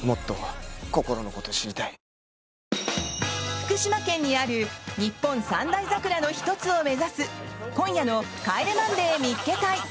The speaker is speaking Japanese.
福島県にある日本三大桜の１つを目指す今夜の「帰れマンデー見っけ隊！！」。